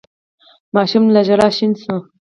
ماشوم له ژړا شين شو.